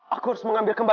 aku harus mengambil kepadamu